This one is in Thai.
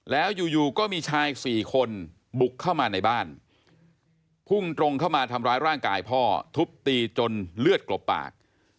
แล้วอยู่ก็มีชาย๔คนบุกเข้ามาในบ้านพุ่งตรงเข้ามาทำร้ายร่างกายพ่อทุบตีจนเลือดกลบปาก